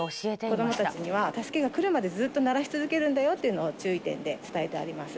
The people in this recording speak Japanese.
子どもたちには助けが車でずーっと鳴らし続けるんだよっていうのを注意点で伝えてあります。